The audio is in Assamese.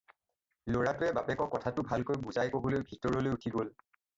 ল'ৰাটোৱে বাপেকক কথাটো ভালকৈ বুজাই ক'বলৈ ভিতৰলৈ উঠি গ'ল